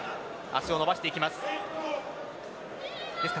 足を伸ばしていきます。